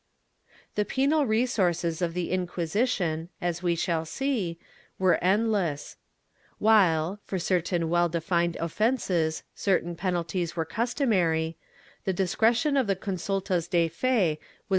The penal resources of the Inquisition, as we shall see, were endless. While, for certain well defined offences, certain penalties were customary, the discretion of the consultas de fe was bound ^ Biographic universelle, s.